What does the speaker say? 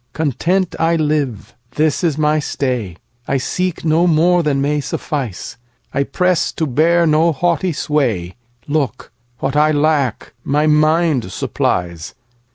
Content I live, this is my stay;I seek no more than may suffice;I press to bear no haughty sway; Look, what I lack my mind supplies.